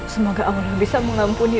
semoga allah bisa mengampuni